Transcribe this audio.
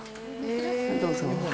どうぞ。